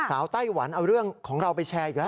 ไต้หวันเอาเรื่องของเราไปแชร์อีกแล้ว